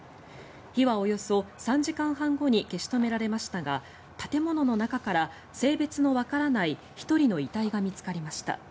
火はおよそ３時間半後に消し止められましたが建物の中から性別のわからない１人の遺体が見つかりました。